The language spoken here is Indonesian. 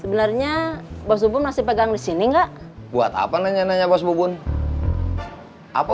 sebenarnya bos bubun masih pegang di sini enggak buat apa nanya nanya bos bubun apa